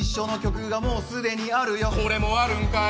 これもあるんかい。